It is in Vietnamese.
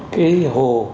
ba bốn cái hồ